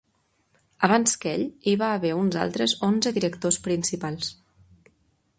Abans que ell, hi va haver uns altres onze directors principals.